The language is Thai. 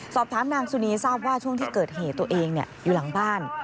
สอบถามนางสุนีทราบว่าช่วงที่เกิดเหตุตัวเองอยู่หลังบ้าน